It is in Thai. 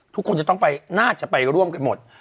ทุกคนจะต้องไปน่าจะไปร่วมกันหมด